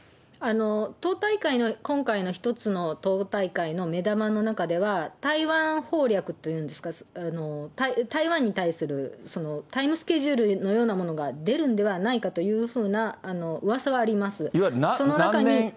党大会の、今回の一つの党大会の目玉の中では、台湾攻略というんですか、台湾に対するタイムスケジュールのようなものが出るんではないかというふうなうわさはあります。